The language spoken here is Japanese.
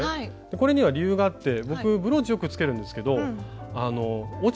これには理由があって僕ブローチよくつけるんですけどあの落ちちゃうんです。